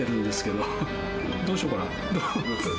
どうしようかな。